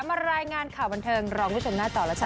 มารายงานข่าวบันเทิงรองผู้ชมหน้าจอแล้วจ้